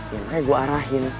ya makanya gue arahin